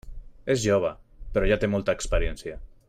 És jove, però ja té molta experiència.